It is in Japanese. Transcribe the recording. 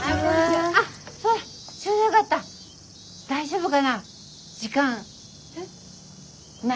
大丈夫かな？